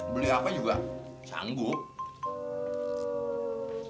beli apa juga sanggup